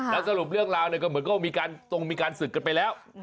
แล้วสรุปเรื่องหน้าเหมือนก็ต้นมีการซึกกันไปแล้ว